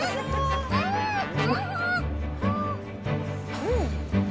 うん！